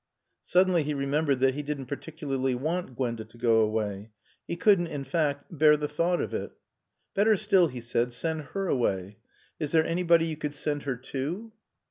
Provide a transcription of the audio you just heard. Suddenly he remembered that he didn't particularly want Gwenda to go away. He couldn't, in fact, bear the thought of it. "Better still," he said, "send her away. Is there anybody you could send her to?"